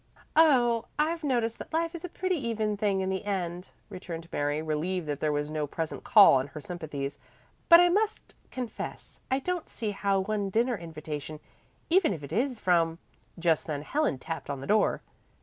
"Oh, I've noticed that life is a pretty even thing in the end," returned Mary, relieved that there was no present call on her sympathies, "but I must confess I don't see how one dinner invitation, even if it is from " Just then Helen tapped on the door.